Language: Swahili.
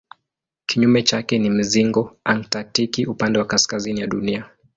Kinyume chake ni mzingo antaktiki upande wa kaskazini ya Dunia.